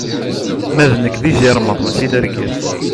Ma d nekk, d ijirmeḍ mačči d argaz.